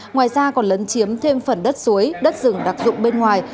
ngoài ra còn lấn chiếm thêm phần đất suối đất rừng đặc dụng bên ngoài